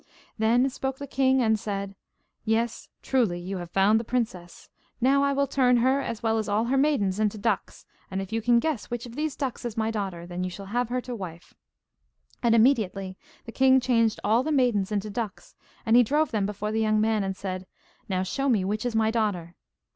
Then spoke the king and said: 'Yes, truly, you have found the princess. Now I will turn her as well as all her maidens into ducks, and if you can guess which of these ducks is my daughter, then you shall have her to wife.' And immediately the king changed all the maidens into ducks, and he drove them before the young man, and said: 'Now show me which is my daughter.